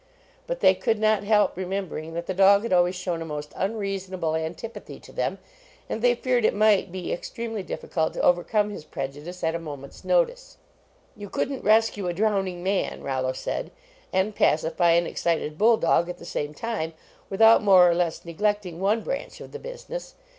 But they could not help remem bering that the dog had always shown a most unreasonable antipathy to them, and they feared it might be extremely difficult to over come his prejudice at a moment s notice. You couldn t rescue a drowning man, Rollo said, and pacify an excited bull dog at the same time, without more or less neglecting one branch of the business.